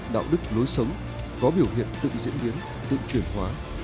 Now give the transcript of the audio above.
đạo đức lối sống có biểu hiện tự diễn biến tự chuyển hóa